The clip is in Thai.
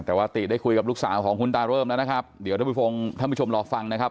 แต่ว่าติได้คุยกับลูกสาวของคุณตาเริ่มแล้วนะครับเดี๋ยวท่านผู้ฟงท่านผู้ชมรอฟังนะครับ